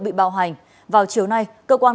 bị bạo hành vào chiều nay cơ quan